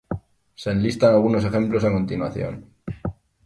Se enlistan algunos ejemplos a continuación.